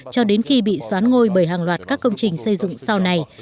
cho đến khi bị xoán ngôi bởi hàng loạt các công trình xây dựng sau này